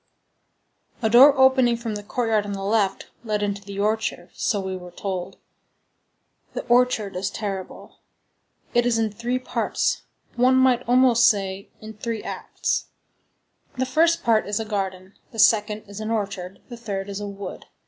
_" A door opening from the courtyard on the left led into the orchard, so we were told. The orchard is terrible. It is in three parts; one might almost say, in three acts. The first part is a garden, the second is an orchard, the third is a wood.